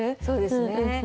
そうですね。